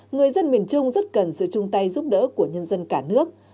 người dân miền trung rất cần sự chung tay giúp đỡ của nhân dân cả nước